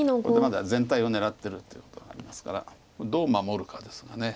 これでまだ全体を狙ってるということもありますからどう守るかですが。